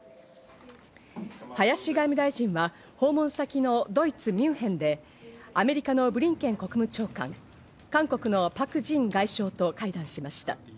林外務大臣は訪問先のドイツ・ミュンヘンでアメリカのブリンケン国務長官、韓国のパク・ジン外相と会談しました。